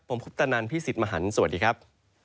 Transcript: ผมคุปตะนันพี่สิทธิ์มหันฯสวัสดีครับ